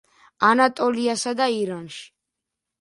ანატოლიასა და ირანში.